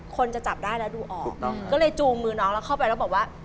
คนจะจับได้แล้วดูออกก็เลยจูงมือน้องแล้วเข้าไปแล้วบอกว่า